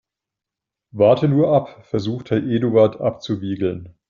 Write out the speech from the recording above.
Warte nur ab, versucht Herr Eduard abzuwiegeln.